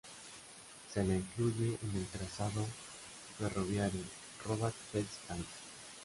Se la incluye en el trazado ferroviario Rabat-Fez-Tánger.